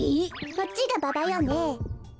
こっちがババよねえ。